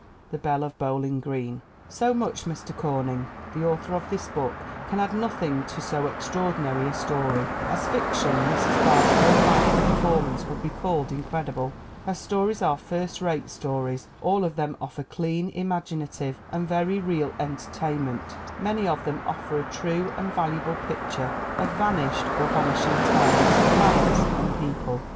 The Belle of Bowling Green. So much Mr. Corning. The author of this book can add nothing to so extraordinary a story. As fic tion, Mrs. Barr's own life and performance would be called incredible. Her stories are first rate stories; all of them offer clean, imaginative and very real en tertainment; many of them offer a true and valuable picture of vanished or vanishing times, manners and people.